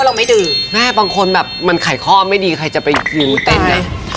เราไม่ดื่มแม่บางคนแบบมันไขข้อไม่ดีใครจะไปยืนเต้นนะ